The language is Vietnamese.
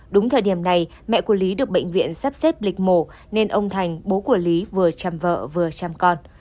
đúng thời điểm này mẹ của lý được bệnh viện sắp xếp lịch mổ nên ông thành bố của lý vừa chăm vợ vừa chăm con